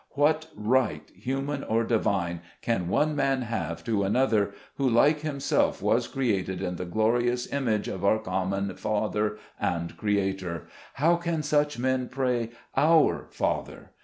What right, human or divine, can one man have CITY AND TOWN SLAVES. 195 to another, who, like himself, was created in the glorious image of our common Father and Creator ? How can such men pray, " Our Father"